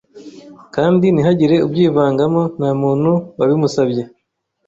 Kandi ntihagire ubyivangamo ntamuntu wabimusabye